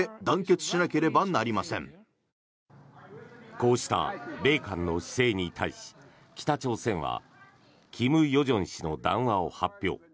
こうした米韓の姿勢に対し北朝鮮は金与正氏の談話を発表。